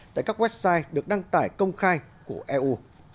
tại các website được đăng tải công khai của eu